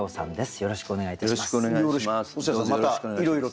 よろしくお願いします。